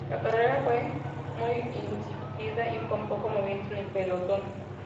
La carrera fue muy insípida y con poco movimiento en el pelotón.